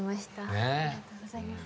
ありがとうございます。